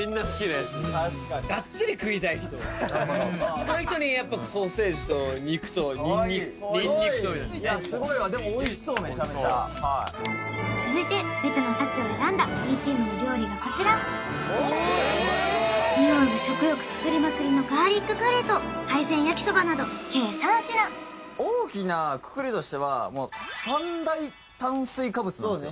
そういう人にやっぱかわいいいやすごいわでもおいしそうめちゃめちゃ続いてベタな幸を選んだＢチームの料理がこちら匂いが食欲そそりまくりのガーリックカレーと海鮮焼きそばなど計３品大きなくくりとしてはもう３大炭水化物なんですよ